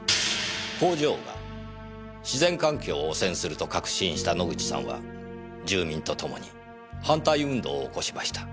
工場が自然環境を汚染すると確信した野口さんは住民とともに反対運動を起こしました。